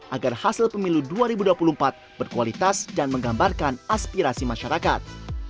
agar hasil pemilu dua ribu dua puluh empat berkualitas dan menggambarkan aspirasi masyarakat